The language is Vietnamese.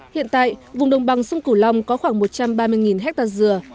hiện tại vùng đồng bằng sông cửu long có khoảng một trăm ba mươi hectare dừa